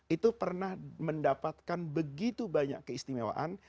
itu pernah mendapatkan begitu banyak keistimewaan